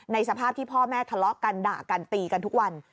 สภาพที่พ่อแม่ทะเลาะกันด่ากันตีกันทุกวัน